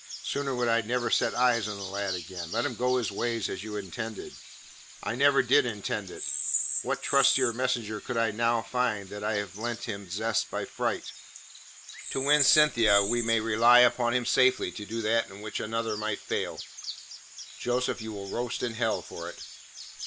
"Sooner would I never set eyes on the lad again. Let him go his ways as you intended." "I never did intend it. What trustier messenger could I find now that I have lent him zest by fright? To win Cynthia, we may rely upon him safely to do that in which another might fail." "Joseph, you will roast in hell for it."